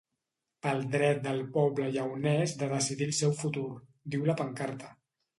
Pel dret del poble lleones de decidir el seu futur, diu la pancarta.